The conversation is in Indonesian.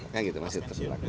kan gitu masih tetap berlaku